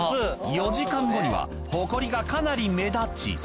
４時間後にはホコリがかなり目立ち。